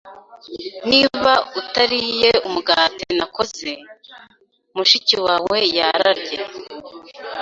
Niba utariye umugati nakoze, mushiki wawe yararye.